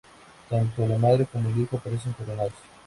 Tanto la madre como el hijo aparecen coronados.